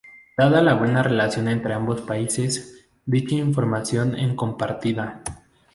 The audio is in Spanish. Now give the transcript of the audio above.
Dada la buena relación entre ambos países, dicha información en compartida.